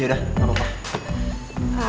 yaudah kalau gitu saya duluan ya kak